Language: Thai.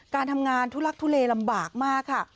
การทำงานทุลักทุเลลำบากมากค่ะ